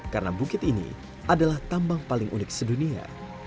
karena bukit ini adalah tambang paling unik sedunia